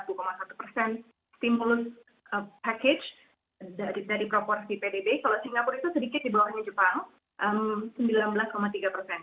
jadi kalau kita lihat perbandingan stimulus package dari proporsi pdb kalau singapura itu sedikit di bawahnya jepang sembilan belas tiga persen